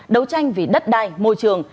đấu tranh vì đất đai môi trường